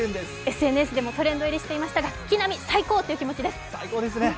ＳＮＳでもトレンド入りしていましたが木浪最高！っていう気持ちです。